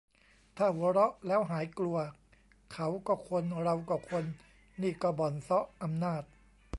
ถ้าหัวเราะแล้วหายกลัว เขาก็คน เราก็คน นี่ก็บ่อนเซาะอำนาจ